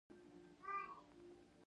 نظارت د کارونو د ترسره کیدو سره تړلی دی.